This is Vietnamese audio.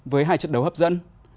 với hai trận đấu hấp dẫn